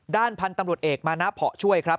ด้านพันธุ์ตำรวจเอกมานะเพาะช่วยครับ